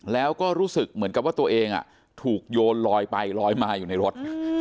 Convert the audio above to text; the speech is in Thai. แล้วก็รู้สึกเหมือนกับว่าตัวเองถูกโยนลอยไปลอยมาอยู่ในรถ